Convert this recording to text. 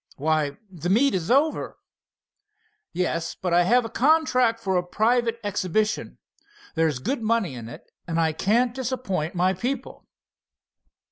"Why, the meet is over?" "Yes, but I have a contract for a private exhibition. There's good money in it, and I can't disappoint my people."